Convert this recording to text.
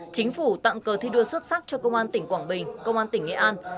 chính phủ tặng cờ thi đua xuất sắc cho công an tỉnh quảng bình công an tỉnh nghệ an